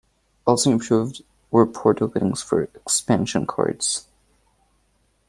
Also improved were port openings for expansion cards.